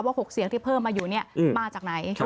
๖เสียงที่เพิ่มมาอยู่มาจากไหน